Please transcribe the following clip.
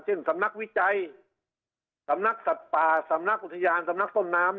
สำนักวิจัยสำนักสัตว์ป่าสำนักอุทยานสำนักต้นน้ำ